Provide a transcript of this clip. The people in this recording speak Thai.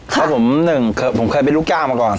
ครับผมหนึ่งผมเคยเป็นลูกจ้างมาก่อน